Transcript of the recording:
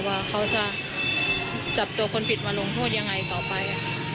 ว่าเขาจะจับตัวคนผิดมาลงโทษยังไงต่อไป